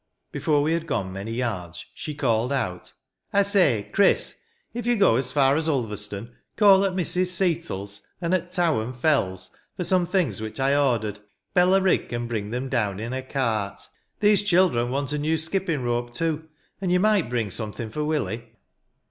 Before we had gone many yards, she called out, —*' I say, Chris , if you go as far as Ulverstone, call at Mrs. Seatle's, and at Tow and Fell's, for some things which I ordered. Bella Rigg can bring them down in her cart. These children want a new skipping rope, too; and you might bring something for Willie.'